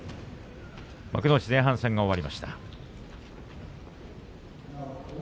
幕内前半戦が終わりました。